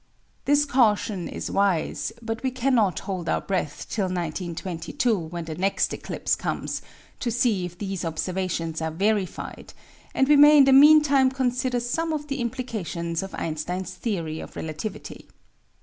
This caution is wise, but we cannot hold our breath till 1922, when the next eclipse comes, to see if these observations are verified and we may in the meantime consider some of the implications of Einstein's theory of relativity.